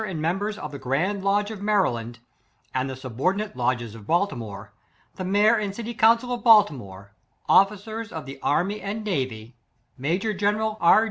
and members of thegrandlodge of Maryland, and the subordinate lodges of Baltimore; the mayor and city council of Baltimore; officers of the army and navy; major general R.